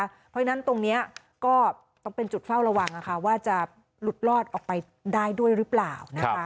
เพราะฉะนั้นตรงนี้ก็ต้องเป็นจุดเฝ้าระวังว่าจะหลุดลอดออกไปได้ด้วยหรือเปล่านะคะ